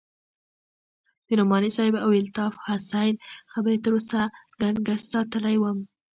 د نعماني صاحب او الطاف حسين خبرې تر اوسه گنگس ساتلى وم.